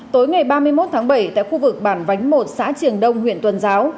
tối ngày ba mươi một tháng bảy tại khu vực bản vánh một xã triềng đông huyện tuần giáo